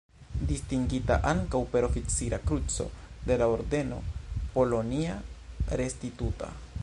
Distingita ankaŭ per Oficira Kruco de la Ordeno "Polonia Restituta".